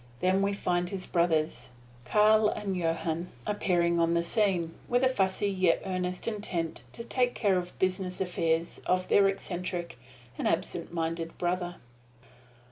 Then we find his brothers, Carl and Johann, appearing on the scene, with a fussy yet earnest intent to take care of the business affairs of their eccentric and absent minded brother.